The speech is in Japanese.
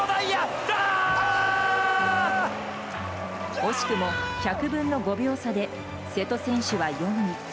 惜しくも１００分の５秒差で瀬戸選手は４位。